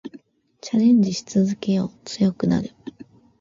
チャレンジし続けよう。強くなる。